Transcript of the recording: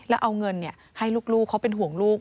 แล้วเอาเงินให้ลูกเขาเป็นห่วงลูก